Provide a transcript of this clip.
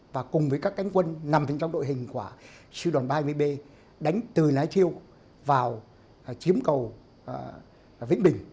và cùng với các cánh quân nằm trong đội hình của siêu đoàn ba trăm hai mươi b đánh từ lái triêu vào chiếm cầu vĩnh bình